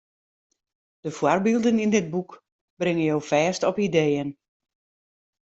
De foarbylden yn dit boek bringe jo fêst op ideeën.